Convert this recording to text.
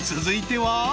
続いては］